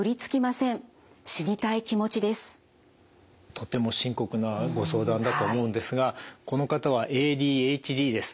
とても深刻なご相談だと思うんですがこの方はＡＤＨＤです。